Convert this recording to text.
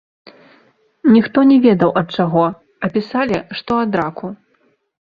Ніхто не ведаў, ад чаго, а пісалі, што ад раку.